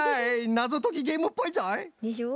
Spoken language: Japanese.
なぞときゲームっぽいぞい。でしょ？